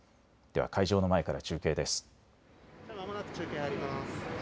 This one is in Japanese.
では会場の前から中継です。